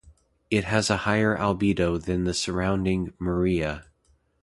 It has a higher albedo than the surrounding "maria".